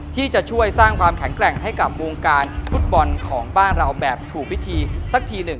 ที่จะช่วยสร้างความแข็งแกร่งให้กับวงการฟุตบอลของบ้านเราแบบถูกวิธีสักทีหนึ่ง